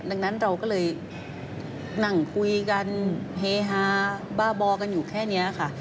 ดังนั้นเราก็เลยนั่งคุยกันเฮฮาบ้าบอกันอยู่แค่นี้ค่ะ